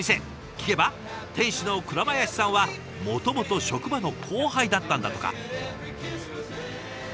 聞けば店主の倉林さんはもともと職場の後輩だったんだとか。